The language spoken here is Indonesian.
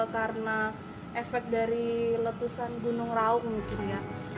karena efek dari letusan gunung raung gitu ya